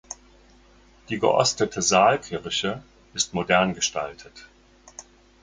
Die geostete Saalkirche ist modern gestaltet.